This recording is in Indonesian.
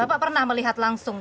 bapak pernah melihat langsung